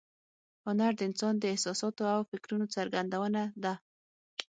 هنر د انسان د احساساتو او فکرونو څرګندونه ده